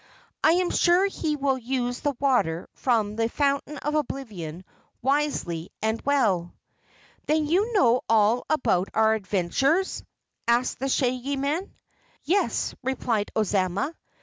I am sure he will use the water from the Fountain of Oblivion wisely and well." "Then you know all about our adventures?" asked the Shaggy Man. "Yes," replied Ozma.